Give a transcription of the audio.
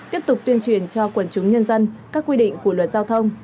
tiếp tục tuyên truyền cho quần chúng nhân dân các quy định của luật giao thông